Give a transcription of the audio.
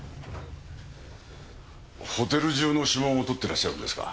ホテル中の指紋を採ってらっしゃるんですか？